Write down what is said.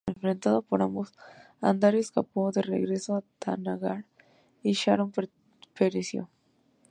Enfrentado por ambos, Andar escapó de regreso a Thanagar y Sharon pereció.